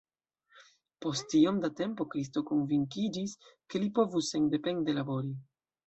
Post iom da tempo Kristo konvinkiĝis, ke li povus sendepende labori.